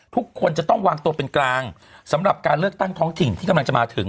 ทุกคนจะต้องวางตัวเป็นกลางสำหรับการเลือกตั้งท้องถิ่นที่กำลังจะมาถึง